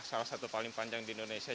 salah satu paling panjang di indonesia